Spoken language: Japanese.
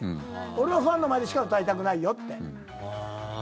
俺はファンの前でしか歌いたくないよって。